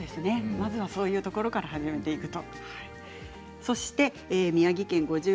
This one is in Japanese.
まずはそういうところから始めていくと。